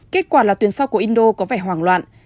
kết quả là tuyến sau của indo có vẻ hoảng loạn